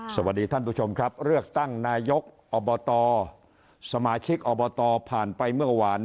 สวัสดีท่านผู้ชมครับเลือกตั้งนายกอบตสมาชิกอบตผ่านไปเมื่อวาน